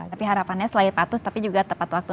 tapi harapannya selain patuh tapi juga tepat waktu